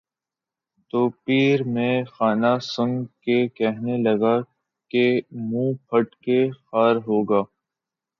تو پیر مے خانہ سن کے کہنے لگا کہ منہ پھٹ ہے خار ہوگا